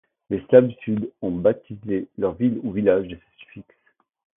Les Slaves du sud ont baptisé leurs villes ou villages de ce suffixe.